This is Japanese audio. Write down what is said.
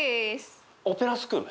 オペラスクール？